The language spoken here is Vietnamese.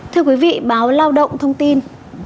thưa quý vị báo lao động thông tin